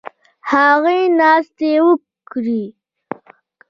هغوی ناستې وکړې